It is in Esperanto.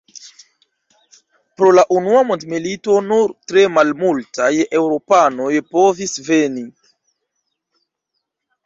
Pro la unua mondmilito nur tre malmultaj Eŭropanoj povis veni.